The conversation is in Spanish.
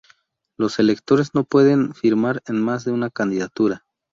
Los electores no pueden firmar en más de una candidatura.